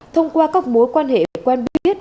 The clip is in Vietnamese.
thông qua các mối quan hệ quen biết